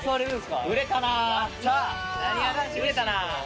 売れたな。